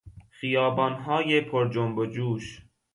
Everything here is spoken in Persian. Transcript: خیبانهای پرجنب و جوش